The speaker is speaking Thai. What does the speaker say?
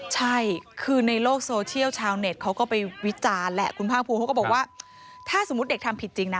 ใช่คือในโลกโซเชียลชาวเน็ตเขาก็ไปวิจารณ์แหละคุณภาคภูมิเขาก็บอกว่าถ้าสมมุติเด็กทำผิดจริงนะ